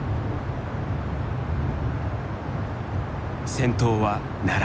先頭は奈良。